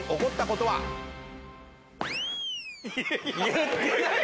言ってない。